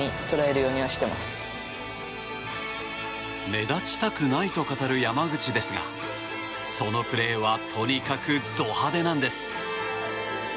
目立ちたくないと語る山口ですがそのプレーはとにかくド派手なんです。